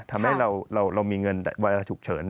ทำให้เรามีเงินเวลาฉุกเฉิน